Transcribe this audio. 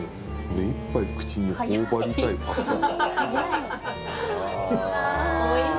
目いっぱい口に頬張りたいパスタ。